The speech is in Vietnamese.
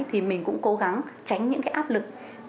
thì mình cũng cố gắng tránh những áp lực để tăng cái cơ hội